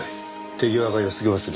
手際がよすぎますね。